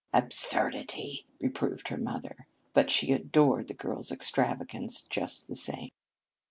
"Absurdity!" reproved her mother, but she adored the girl's extravagances just the same.